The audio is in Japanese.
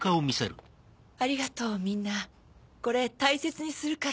ありがとうみんなこれ大切にするから。